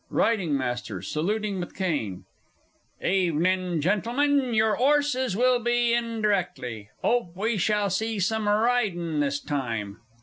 RIDING MASTER (saluting with cane). Evenin', Gentlemen your 'orses will be in directly; 'ope we shall see some ridin' this time.